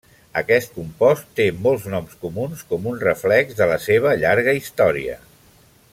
Aquest compost té molts noms comuns com un reflex de la seva llarga història.